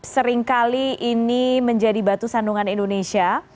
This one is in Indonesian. sering kali ini menjadi batu sandungan indonesia